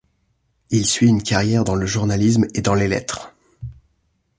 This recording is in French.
Il suit une carrière dans le journalisme et dans les lettres.